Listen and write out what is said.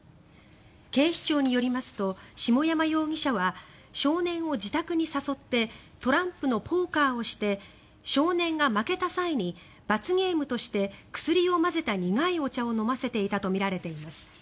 警視庁によりますと下山容疑者は少年を自宅に誘ってトランプのポーカーをして少年が負けた際に罰ゲームとして薬を混ぜた苦いお茶を飲ませていたとみられています。